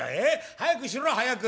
早くしろ早く」。